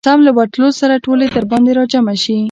سم له ورتلو سره ټولې درباندي راجمعه شي.